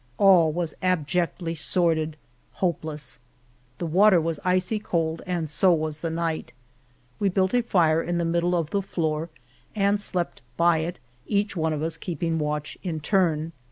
All was abjectly sordid — hopeless. The water was icy cold 212 The Morena and so was the night We built a fire in the middle of the floor and slept by it, each one of us keeping watch in turn.